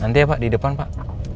nanti ya pak di depan pak